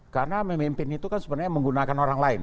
karena memimpin itu kan sebenarnya menggunakan orang lain